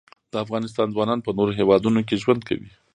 د افغانستان ځوانان په نورو هیوادونو کې ژوند کوي.